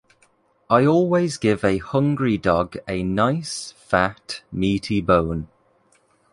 I always give a hungry dog a nice, fat, meaty bone.